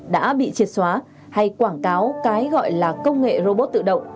đã bị triệt xóa hay quảng cáo cái gọi là công nghệ robot tự động